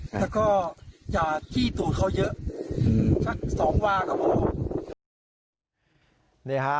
แล้วก็อย่าที่ตูดเขาเยอะชัก๒ว่าก็พอ